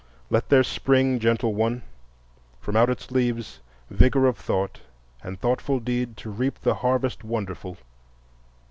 Let there spring, Gentle One, from out its leaves vigor of thought and thoughtful deed to reap the harvest wonderful.